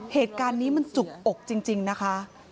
เหตุการณ์นี้มันจุกอกจริงนะคะ